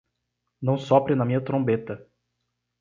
Não sopre na minha trombeta.